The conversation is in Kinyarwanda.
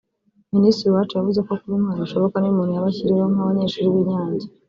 Minisitiri Uwacu yavuze ko kuba intwari bishoboka n’iyo umuntu yaba akiriho nk’Abanyeshuri b’i Nyange